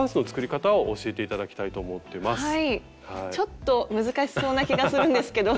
ちょっと難しそうな気がするんですけど。